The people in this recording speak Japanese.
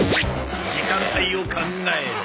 時間帯を考えろ。